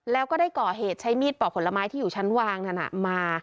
แล้วก็ได้ก่อเหตุใช้มีดปอกผลไม้ที่อยู่ชั้นวางนั้นมา